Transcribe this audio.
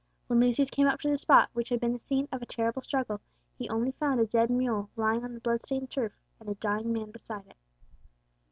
When Lucius came up to the spot which had been the scene of a terrible struggle, he only found a dead mule lying on the blood stained turf, and a dying man beside it.